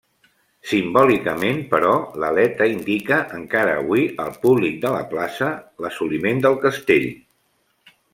Simbòlicament, però, l'aleta indica encara avui al públic de la plaça l'assoliment del castell.